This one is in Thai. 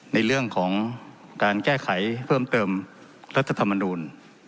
ในเรื่องของการแก้ไขเพิ่มเติมรัฐธรรมนูล